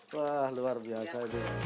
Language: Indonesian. wah luar biasa